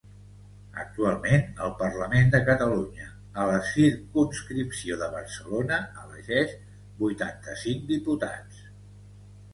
Actualment el Parlament de Catalunya a la circumscripció de Barcelona elegeix vuitanta-cinc diputats.